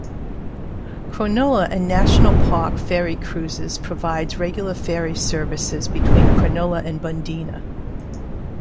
Cronulla and National Park Ferry Cruises provides regular ferry services between Cronulla and Bundeena.